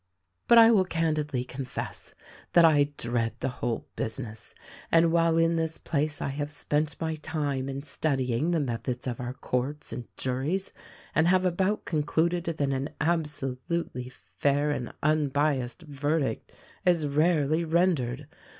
"But I will candidly confess that I dread the whole busi ness ; and while in this place I have spent my time in study ing the methods of our courts and juries and have about concluded that an absolutely fair and unbiased verdict is rarely rendered.